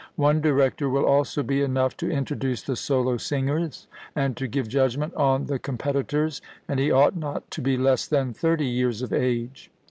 One director will also be enough to introduce the solo singers, and to give judgment on the competitors, and he ought not to be less than thirty years of age.